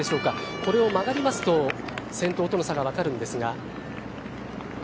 これを曲がりますと先頭との差がわかるんですが。